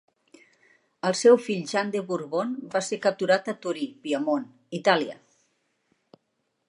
El seu fill Jean de Bourbon va ser capturat a Torí, Piemont, Itàlia.